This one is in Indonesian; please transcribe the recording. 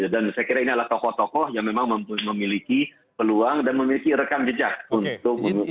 dan saya kira ini adalah tokoh tokoh yang memang memiliki peluang dan memiliki rekam jejak untuk menjadi pemimpin kedepannya